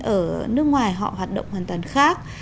ở nước ngoài họ hoạt động hoàn toàn khác